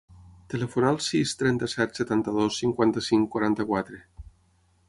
Telefona al sis, trenta-set, setanta-dos, cinquanta-cinc, quaranta-quatre.